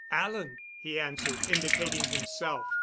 "Alan," he answered, indicating himself.